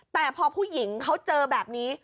แต่พอผู้หญิงเขาเจอแบบนี้